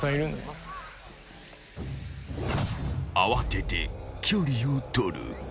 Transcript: ［慌てて距離を取る］